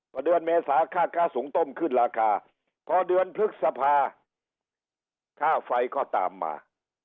พอเดือนเมษาค่าสูงต้มขึ้นราคาพอเดือนพฤษภาค่าไฟก็ตามมา